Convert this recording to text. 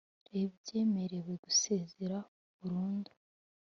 reb yemerewe gusezera burundu